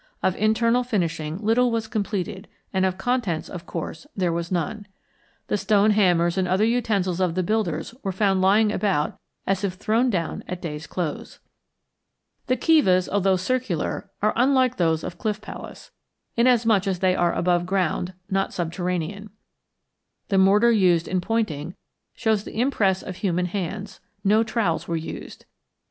Of internal finishing little was completed, and of contents, of course, there was none. The stone hammers and other utensils of the builders were found lying about as if thrown down at day's close. The kivas, although circular, are unlike those of Cliff Palace, inasmuch as they are above ground, not subterranean. The mortar used in pointing shows the impress of human hands; no trowels were used.